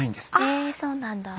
えそうなんだ。